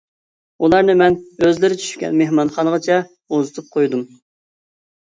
ئۇلارنى مەن ئۆزلىرى چۈشكەن مېھمانخانىغىچە ئۇزىتىپ قويدۇم.